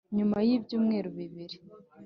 nyuma y'ibyumweru bibiri